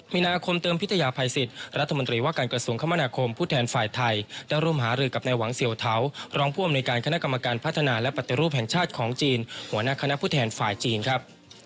มีนาคมเติมพิทยาภัยสิทธิ์รัฐมนตรีว่าการกระทรวงคมนาคมผู้แทนฝ่ายไทยได้ร่วมหารือกับในหวังเสี่ยวเทารองผู้อำนวยการคณะกรรมการพัฒนาและปฏิรูปแห่งชาติของจีนหัวหน้าคณะผู้แทนฝ่ายจีนครับ